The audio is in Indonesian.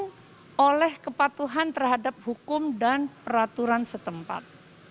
yang oleh kepatuhan terhadap hukum dan peraturan setempat